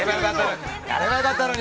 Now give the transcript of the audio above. ◆やればよかったのに。